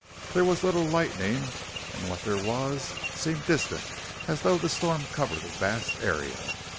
There was little lightning, and what there was seemed distant, as though the storm covered a vast area.